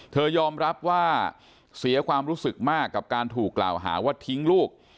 ยอมรับว่าเสียความรู้สึกมากกับการถูกกล่าวหาว่าทิ้งลูก